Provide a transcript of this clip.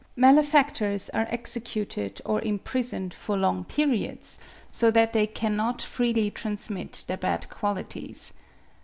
Malefactors are executed, or imprisoned for long periods, so that they cannot freely transmit their bad qualities.